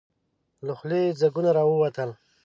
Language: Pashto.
له خولې يې ځګونه راووتل.